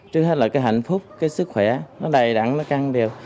trước hết là cái hạnh phúc cái sức khỏe nó đầy đặn nó căng đều